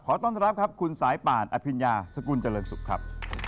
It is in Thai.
ต้อนรับครับคุณสายป่านอภิญญาสกุลเจริญสุขครับ